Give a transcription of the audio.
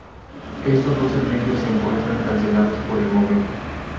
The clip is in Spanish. Estos dos servicios se encuentran cancelados por el momento.